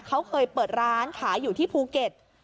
เขาเคยเปิดร้านขายอยู่ที่ภูเก็ต